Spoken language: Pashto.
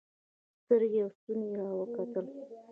سترګې او ستونى يې راوکتل.